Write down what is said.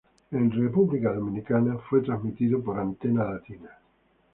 En República Dominicana, fue transmitida por Antena Latina.